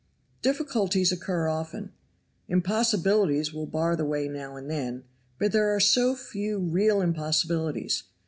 Difficulties occur often. Impossibilities will bar the way now and then; but there are so few real impossibilities.